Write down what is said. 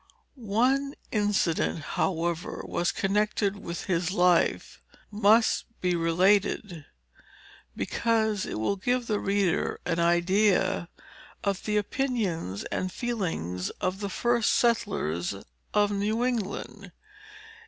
One incident, however, which was connected with his life, must be related, because it will give the reader an idea of the opinions and feelings of the first settlers of New England.